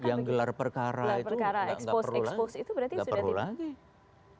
yang gelar perkara itu tidak perlu lagi